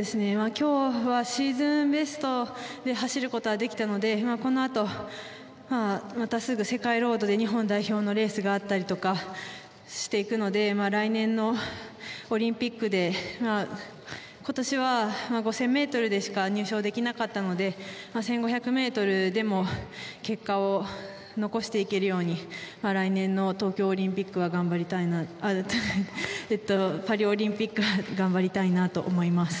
今日はシーズンベストで走ることはできたのでこのあとまたすぐ世界ロードで日本代表のレースがあったりとかしていくので来年のオリンピックで今年は５０００ｍでしか入賞できなかったので１５００ｍでも結果を残していけるように来年の東京オリンピックは頑張りたいなあっえっとパリオリンピックは頑張りたいなと思います